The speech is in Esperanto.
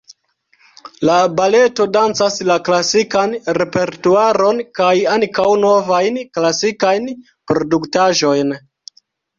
La baleto dancas la klasikan repertuaron kaj ankaŭ novajn klasikajn produktaĵojn.